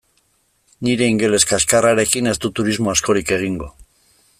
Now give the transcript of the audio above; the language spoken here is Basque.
Nire ingeles kaxkarrarekin ez dut turismo askorik egingo.